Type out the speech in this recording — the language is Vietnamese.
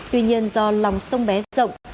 tuy nhiên do lòng sông bé rộng